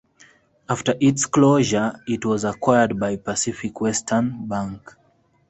After its closure, it was acquired by Pacific Western Bank.